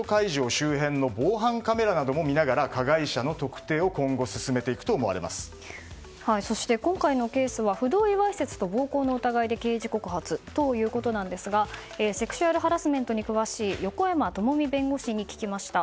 周辺の防犯カメラなども見ながら加害者の特定をそして今回のケースは不同意わいせつと暴行の疑いで刑事告発ということですがセクシュアルハラスメントに詳しい横山智実弁護士に聞きました。